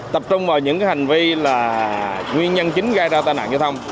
tập trung vào những hành vi là nguyên nhân chính gây ra tai nạn giao thông